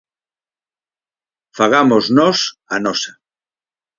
Fagamos nós a nosa.